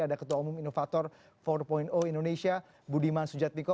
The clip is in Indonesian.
ada ketua umum inovator empat indonesia budiman sujatmiko